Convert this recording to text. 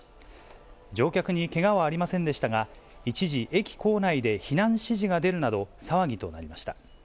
乗客にけがはありませんでしたが、一時、駅構内で避難指示が出るなど、騒ぎとなりました。